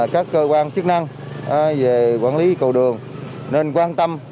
các cơ quan chức năng về quản lý cầu đường nên quan tâm